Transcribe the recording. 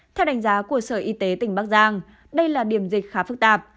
theo đánh giá của sở y tế tỉnh bắc giang đây là điểm dịch khá phức tạp